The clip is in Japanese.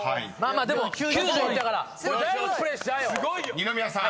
［二宮さん